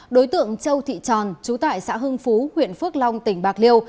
đối tượng châu thị tròn chú tại xã hưng phú huyện phước long tỉnh bạc liêu